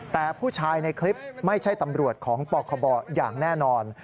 แต่ผู้ชายในคลิปไม่ใช่ตำรวจของปคบอย่างแน่นอน